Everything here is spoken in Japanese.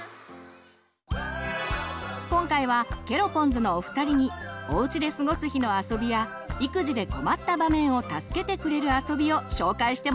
今回はケロポンズのお二人におうちで過ごす日のあそびや育児で困った場面を助けてくれるあそびを紹介してもらいます！